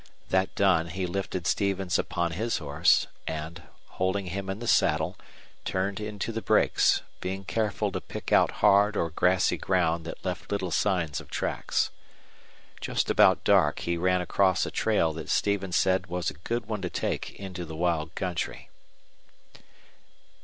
That done, he lifted Stevens upon his horse, and, holding him in the saddle, turned into the brakes, being careful to pick out hard or grassy ground that left little signs of tracks. Just about dark he ran across a trail that Stevens said was a good one to take into the wild country.